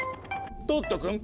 トット君。